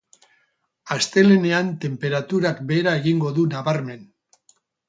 Astelehenean tenperaturak behera egingo du nabarmen.